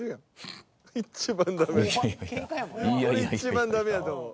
これ一番ダメやと思う。